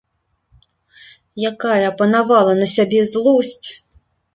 Якая апанавала на сябе злосць!